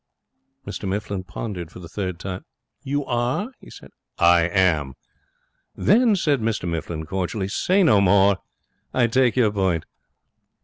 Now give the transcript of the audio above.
Mr Mifflin pondered for the third time. 'You are?' he said. 'I am,' said George. 'Then,' said Mr Mifflin, cordially, 'say no more. I take your point.